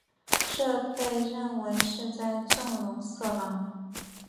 这被认为是在纵容色狼。